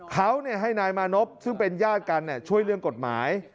เขาให้นายมานพซึ่งเป็นญาติกันช่วยเรื่องกฎหมาย